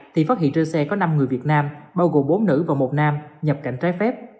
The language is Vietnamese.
thì phát hiện trên xe có năm người việt nam bao gồm bốn nữ và một nam nhập cảnh trái phép